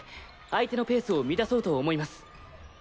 相手のペースを乱そうと思います。